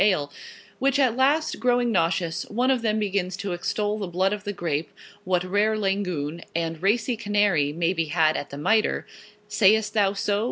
6>> Ale; which at last growing nauseous, one of them begins to extol the blood of the Grape, what rare Langoon, and Racy Canary may be had at the Miter: Saist thou so?